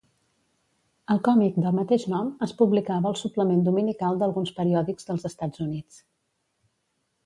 El còmic del mateix nom es publicava al suplement dominical d'alguns periòdics dels Estats Units.